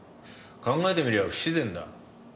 考えてみりゃ不自然だ。